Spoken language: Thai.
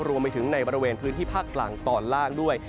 รวมไปถึงในบริเวณพื้นที่ภาคกลางตอนล่างด้วย